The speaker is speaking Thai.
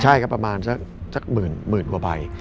ใช่ครับประมาณสักหมื่นกว่าใบ